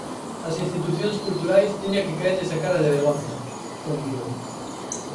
"As institucións culturais tiña que caerlles a cara de vergonza", conclúe.